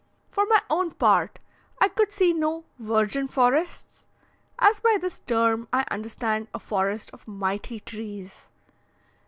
For my own part, I could see no "virgin forests," as by this term I understand a forest of mighty trees.